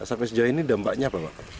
asap s j ini dampaknya apa pak